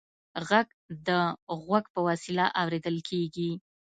غږ د غوږ په وسیله اورېدل کېږي.